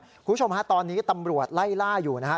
คุณผู้ชมฮะตอนนี้ตำรวจไล่ล่าอยู่นะฮะ